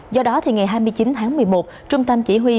do đó thì ngày hai mươi chín tháng một mươi một trung tâm chỉ huy